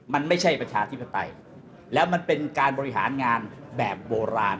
มันไม่ใช่ประชาธิปไตยแล้วมันเป็นการบริหารงานแบบโบราณ